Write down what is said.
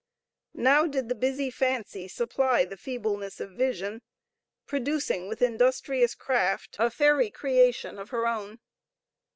Now did the busy fancy supply the feebleness of vision, producing with industrious craft a fairy creation of her own.